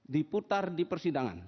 diputar di persidangan